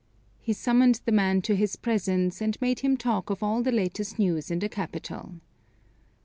He summoned the man to his presence, and made him talk of all the latest news in the capital.